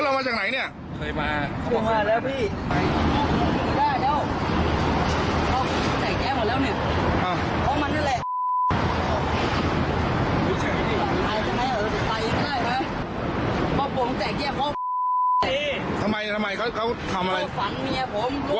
เข้าฝันแม่ผมครัวของเพียก